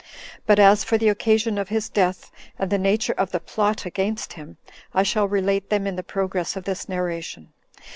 But as for the occasion of his death, and the nature of the plot against him, I shall relate them in the progress of this narration.